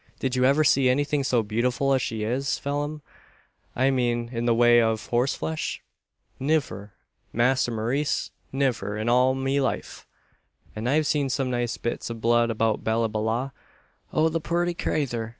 Did you ever see anything so beautiful as she is, Phelim I mean in the way of horseflesh?" "Niver, Masther Maurice; niver, in all me life! An' I've seen some nice bits av blood about Ballyballagh. Oh, the purty crayther!